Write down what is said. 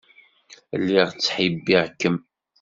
Lliɣ ttḥibbiɣ-kem.